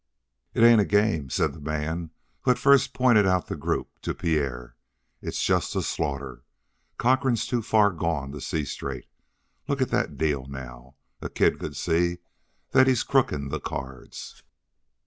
"It ain't a game," said the man who had first pointed out the group to Pierre, "it's just a slaughter. Cochrane's too far gone to see straight. Look at that deal now! A kid could see that he's crooking the cards!"